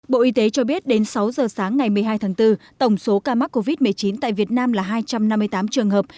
bộ y tế cho biết đến sáu giờ sáng ngày một mươi hai tháng bốn tổng số ca mắc covid một mươi chín tại việt nam là hai trăm năm mươi tám trường hợp